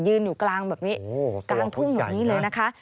อยู่กลางแบบนี้กลางทุ่งแบบนี้เลยนะคะ